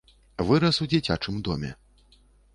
Вырас у дзіцячым доме.